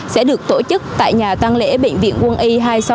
sẽ được tổ chức tại nhà tăng lễ bệnh viện quân y hai trăm sáu mươi